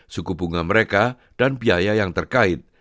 suku bunga mereka dan biaya yang terkait